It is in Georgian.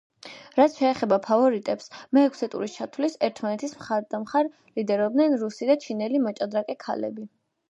რაც შეეხება ფავორიტებს, მეექვსე ტურის ჩათვლით ერთმანეთის მხარდამხარ ლიდერობდნენ რუსი და ჩინელი მოჭადრაკე ქალები.